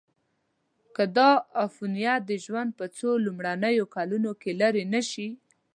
که دا عفونت د ژوند په څو لومړنیو کلونو کې لیرې نشي.